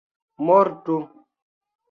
mortu